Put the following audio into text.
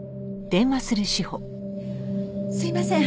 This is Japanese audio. すいません。